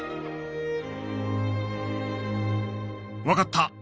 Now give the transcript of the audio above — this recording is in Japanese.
分かった。